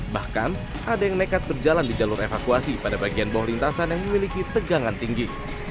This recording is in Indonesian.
bahkan ada yang nekat berjalan di jalur evakuasi pada bagian bawah lintasan yang memiliki tegangan tinggi